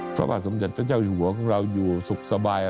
พระบาทสมเด็จพระเจ้าอยู่หัวของเราอยู่สุขสบาย